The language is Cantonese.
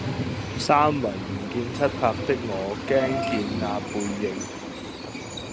三魂不見七魄的我驚見那背影